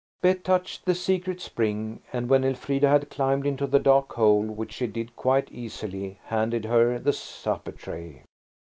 Bet touched the secret spring, and when Elfrida had climbed into the dark hole–which she did quite easily–handed her the supper tray.